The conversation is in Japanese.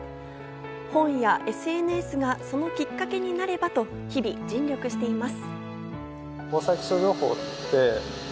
本やＳＮＳがそのきっかけになればと、日々尽力しています。